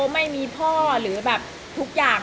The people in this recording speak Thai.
ไม่มีพ่อหรือแบบทุกอย่าง